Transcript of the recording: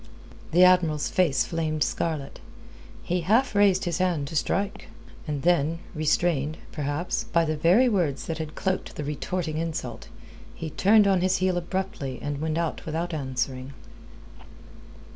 The Admiral's face flamed scarlet. He half raised his hand to strike. And then, restrained, perhaps, by the very words that had cloaked the retorting insult, he turned on his heel abruptly and went out without answering.